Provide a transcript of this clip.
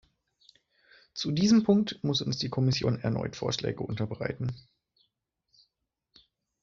Zu diesem Punkt muss uns die Kommission erneut Vorschläge unterbreiten.